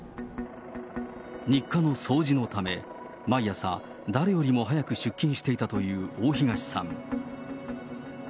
日課の掃除のため、毎朝、誰よりも早く出勤していたという大東さん。